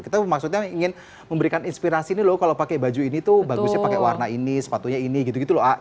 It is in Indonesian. kita maksudnya ingin memberikan inspirasi nih loh kalau pakai baju ini tuh bagusnya pakai warna ini sepatunya ini gitu gitu loh